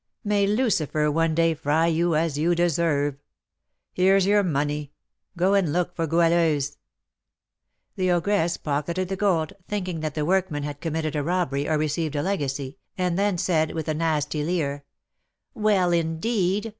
"May Lucifer one day fry you as you deserve! Here's your money; go and look for Goualeuse." The ogress pocketed the gold, thinking that the workman had committed a robbery, or received a legacy, and then said, with a nasty leer, "Well, indeed!